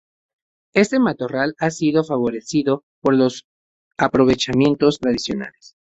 Este matorral ha sido favorecido por los aprovechamientos tradicionales.